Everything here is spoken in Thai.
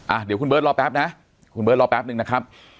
อ่ะเดี๋ยวคุณเบิร์ตรอแป๊บนะคุณเบิร์ตรอแป๊บนึงนะครับ